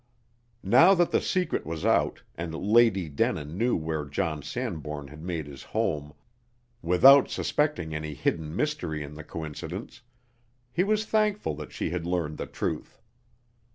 Now that the secret was out, and Lady Denin knew where John Sanbourne had made his home, without suspecting any hidden mystery in the coincidence, he was thankful that she had learned the truth.